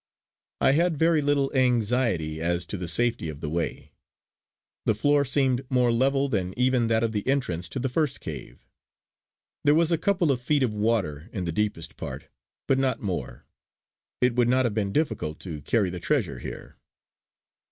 I had very little anxiety as to the safety of the way. The floor seemed more level than even that of the entrance to the first cave. There was a couple of feet of water in the deepest part, but not more; it would not have been difficult to carry the treasure here.